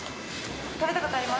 食べたことあります。